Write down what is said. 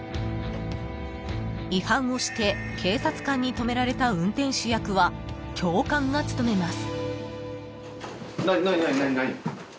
［違反をして警察官に止められた運転手役は教官が務めます］